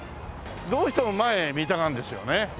どうしても前見たがるんですよね